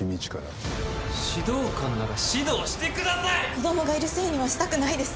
「子供がいるせいにはしたくないです」